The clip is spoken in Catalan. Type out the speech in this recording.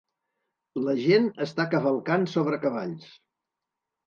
La gent està cavalcant sobre cavalls.